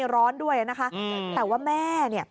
ร้อนด้วยนะคะแต่ว่าแม่เนี่ย